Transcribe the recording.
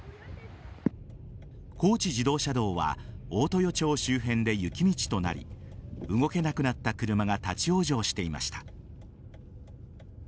高知自動車道は大豊町周辺で雪道となり、動けなくなった車が立ち往生していました。